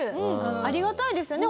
ありがたいですよね